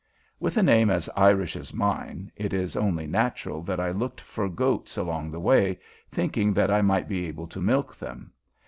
With a name as Irish as mine, it is only natural that I looked for goats along the way, thinking that I might be able to milk them.